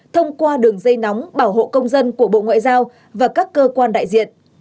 thông qua đường dây nóng bảo hộ công dân của bộ ngoại giao và các cơ quan đại diện